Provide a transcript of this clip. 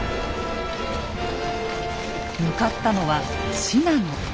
向かったのは信濃。